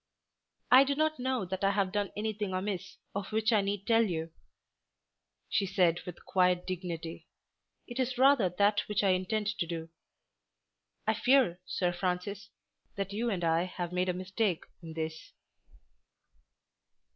"I do not know that I have done anything amiss of which I need tell you," she said with quiet dignity. "It is rather that which I intend to do. I fear, Sir Francis, that you and I have made a mistake in this."